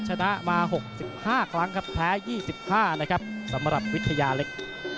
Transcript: ชนะมาหกสิบห้าครั้งครับแพ้ยี่สิบห้านะครับสำหรับวิทยาเล็ก